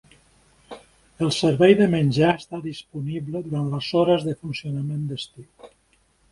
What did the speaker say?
El servei de menjar està disponible durant les hores de funcionament d'estiu.